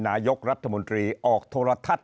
นายกรัฐมนตรีออกโทรทัศน